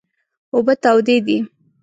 اوبه تودې دي